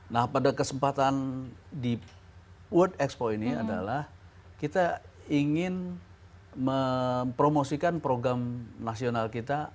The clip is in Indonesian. nah pada kesempatan di world expo ini adalah kita ingin mempromosikan program nasional kita